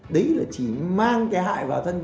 đấy là chỉ mang cái hại vào thân